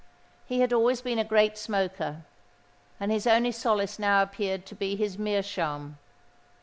He had always been a great smoker; and his only solace now appeared to be his meerschaum.